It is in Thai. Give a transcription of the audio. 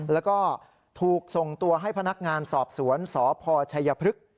แล้วก็ถูกส่งตัวให้พนักงานสอบสวนสพชัยพฤกษ์